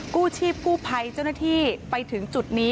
กู้ชีพกู้ภัยเจ้าหน้าที่ไปถึงจุดนี้